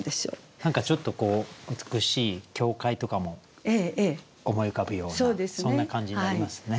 何かちょっとこう美しい教会とかも思い浮かぶようなそんな感じになりますね。